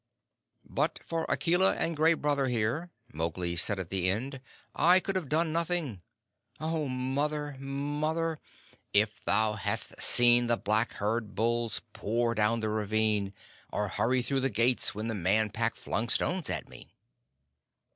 "But for Akela and Gray Brother here," Mowgli said, at the end, "I could have done nothing. Oh, mother, mother! if thou hadst seen the black herd bulls pour down the ravine, or hurry through the gates when the Man Pack flung stones at me!"